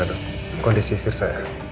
coba dok kondisi istirahat